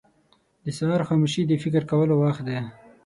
• د سهار خاموشي د فکر کولو وخت دی.